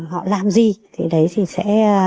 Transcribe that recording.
họ làm gì thì đấy thì sẽ